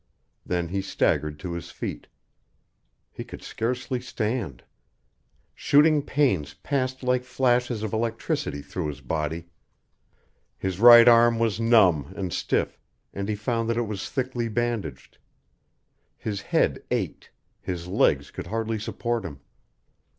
Then he staggered to his feet. He could scarcely stand. Shooting pains passed like flashes of electricity through his body. His right arm was numb and stiff, and he found that it was thickly bandaged. His head ached, his legs could hardly support him.